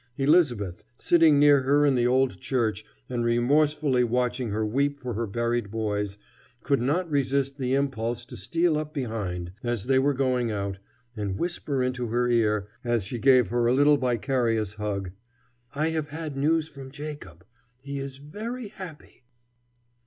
Elisabeth, sitting near her in the old church and remorsefully watching her weep for her buried boys, could not resist the impulse to steal up behind, as they were going out, and whisper into her ear, as she gave her a little vicarious hug: "I have had news from Jacob. He is very happy."